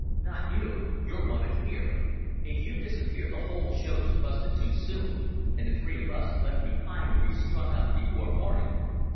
"Not you. You're wanted here. If you disappear the whole show's busted too soon, and the three of us left behind will be strung up before morning